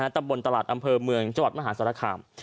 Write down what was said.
ตำบลตลาดอำเภอเมืองจังหวัดมหาศาลคาม